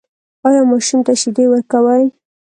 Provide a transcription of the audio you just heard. ایا ماشوم ته شیدې ورکوئ؟